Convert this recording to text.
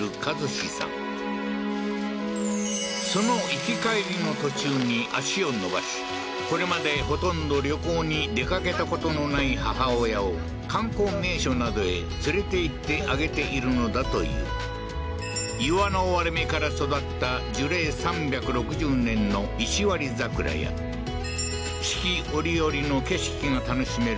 その行き帰りの途中に足を延ばしこれまでほとんど旅行に出かけたことのない母親を観光名所などへ連れていってあげているのだという岩の割れ目から育った樹齢３６０年の石割桜や四季折々の景色が楽しめる